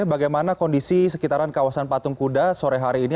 bagaimana kondisi sekitaran kawasan patung kuda sore hari ini